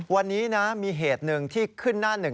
วันนี้นะมีเหตุหนึ่งที่ขึ้นหน้าหนึ่ง